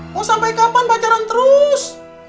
mau sampai kapan pacaran terus